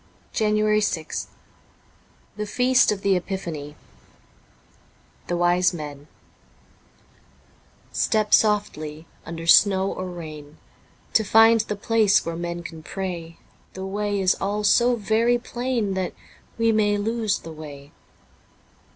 * JANUARY 6th THE FEAST OF THE EPIPHANY THE WISE MEN STEP softly, under snow or rain, To find the place where men can pray ; The way is all so very plain, That we may lose the way.